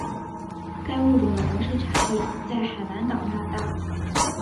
该物种的模式产地在海南岛那大。